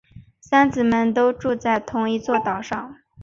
三姊妹都住在同一座岛上。